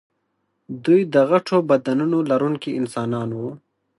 دوی د غټو بدنونو لرونکي انسانان وو.